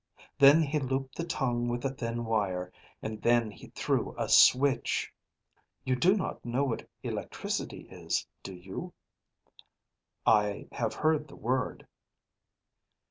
Then he looped the tongue with a thin wire, and then he threw a switch. You do not know what electricity is, do you?" "I have heard the word."